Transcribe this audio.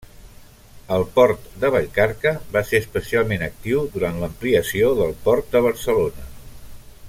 El port de Vallcarca va ser especialment actiu durant l'ampliació del port de Barcelona.